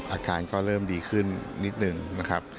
อาการก็เริ่มดีขึ้นนิดหนึ่งนะครับ